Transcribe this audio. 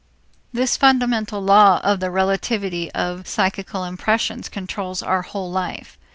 This fundamental law of the relativity of psychical impressions controls our whole life.